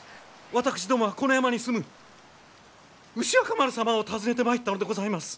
私どもはこの山に住む牛若丸様を訪ねて参ったのでございます。